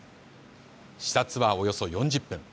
視察はおよそ４０分。